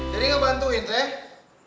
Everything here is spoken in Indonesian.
jadi gak bantuin tuh ya